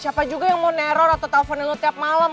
siapa juga yang mau neror atau teleponin lu tiap malam